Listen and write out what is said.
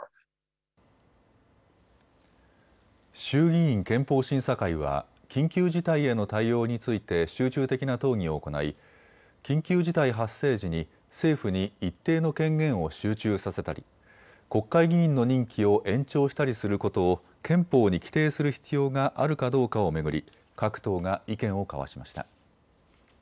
衆議院憲法審査会は緊急事態への対応について集中的な討議を行い緊急事態発生時に政府に一定の権限を集中させたり国会議員の任期を延長したりすることを憲法に規定する必要があるかどうかを巡り各党が意見を交わしました。